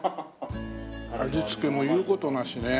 味付けも言う事なしね。